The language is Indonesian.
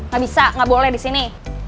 gak bisa gak boleh disini